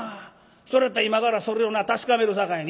それやったら今からそれをな確かめるさかいに。